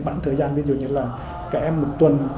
khoảng thời gian ví dụ như là các em một tuần